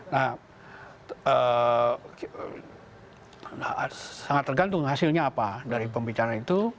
nah sangat tergantung hasilnya apa dari pembicaraan itu